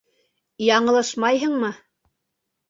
Яңылышмайһыңмы?